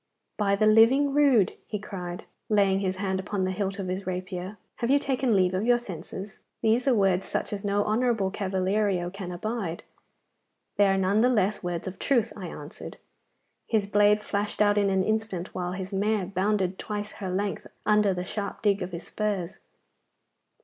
'By the living rood!' he cried, laying his hand upon the hilt of his rapier,' have you taken leave of your senses? These are words such as no honourable cavaliero can abide.' 'They are none the less words of truth,' I answered. His blade flashed out in an instant, while his mare bounded twice her length under the sharp dig of his spurs.